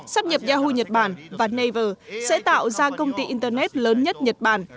sắp nhập yahu nhật bản và naver sẽ tạo ra công ty internet lớn nhất nhật bản